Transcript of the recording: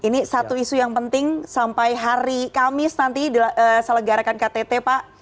ini satu isu yang penting sampai hari kamis nanti diselenggarakan ktt pak